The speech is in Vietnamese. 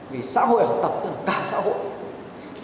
vì xã hội học tập tưởng cả xã hội